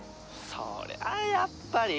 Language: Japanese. そりゃやっぱり。